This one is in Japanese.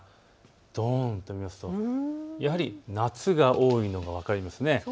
どんと見ると、やはり夏が多いのが分かります。